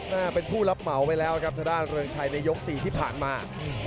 หน้าเป็นผู้รับเหมาไปแล้วครับทางด้านเรืองชัยในยกสี่ที่ผ่านมา